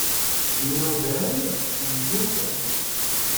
Mnudan, myufan.